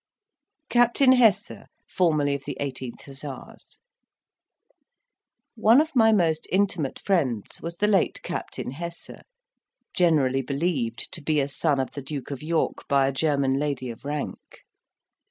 CAPTAIN HESSE, FORMERLY OF THE 18TH HUSSARS One of my most intimate friends was the late Captain Hesse, generally believed to be a son of the Duke of York, by a German lady of rank.